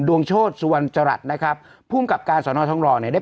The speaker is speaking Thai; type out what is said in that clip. ดวงโชษสุวรรค์จรัฐนะครับภูมิกับการสอนทองรอเนี่ย